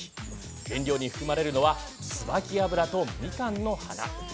原料に含まれているのはツバキ油と、みかんの花。